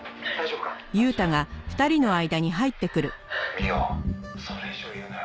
「美緒それ以上言うなよ」